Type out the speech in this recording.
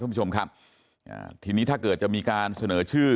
คุณผู้ชมครับอ่าทีนี้ถ้าเกิดจะมีการเสนอชื่อ